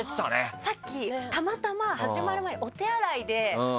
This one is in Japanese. さっきたまたま始まる前にお手洗いでお会いして。